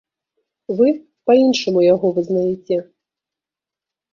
Вы па-іншаму яго вызнаеце.